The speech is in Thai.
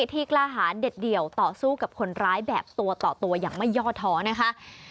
ที่กล้าหารเด็ดเดี่ยวต่อสู้กับคนร้ายแบบตัวต่อตัวอย่างไม่ย่อท้อนะคะ